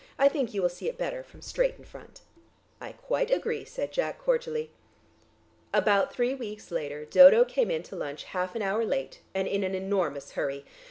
I think you will see it better from straight in front." "I quite agree," said Jack cordially. About three weeks later Dodo came in to lunch half an hour late and in an enormous hurry.